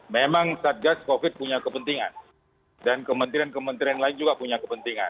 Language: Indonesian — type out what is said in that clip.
memang satgas covid punya kepentingan dan kementerian kementerian lain juga punya kepentingan